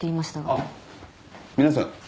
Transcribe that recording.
あっ皆さん。